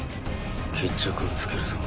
決着をつけるぞ。